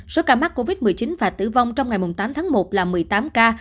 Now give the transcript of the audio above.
số ca mắc covid một mươi chín và tử vong trong ngày tám tháng một là một mươi tám ca